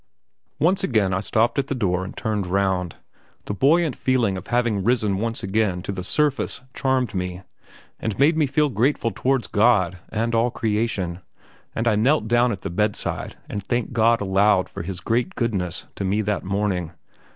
Once again I stopped at the door and turned round; the buoyant feeling of having risen once again to the surface charmed me, and made me feel grateful towards God and all creation, and I knelt down at the bedside and thanked God aloud for His great goodness to me that morning.